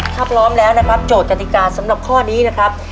ถ้าพร้อมแล้วนะครับโจทย์กติกาสำหรับข้อนี้นะครับ